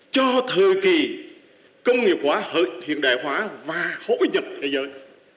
cho thời kỳ công nghiệp hóa hiện đại hóa và hỗn hợp thế giới